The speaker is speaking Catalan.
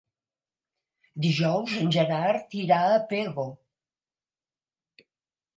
Dijous en Gerard irà a Pego.